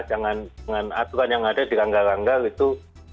jangan dengan aturan yang ada diranggar ranggar itu